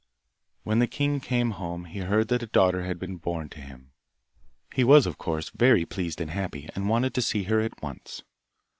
When the king came home and heard that a daughter had been born to him, he was of course very pleased and happy, and wanted to see her at once.